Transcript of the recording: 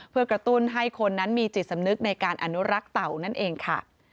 เพื่อกระตุ้นให้คนนั้นมีจิตสำนึกในการอนุรักษ์เต่านั่นเองค่ะ